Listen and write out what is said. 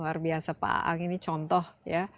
luar biasa pak aang ini contoh ya